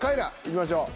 行きましょう。